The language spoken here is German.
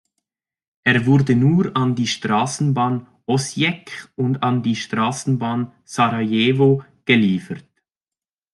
Er wurde nur an die Straßenbahn Osijek und an die Straßenbahn Sarajevo geliefert.